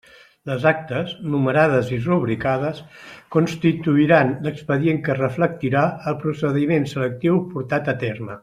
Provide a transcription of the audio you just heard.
Les actes, numerades i rubricades constituiran l'expedient que reflectirà el procediment selectiu portat a terme.